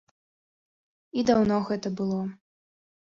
І даўно гэта было.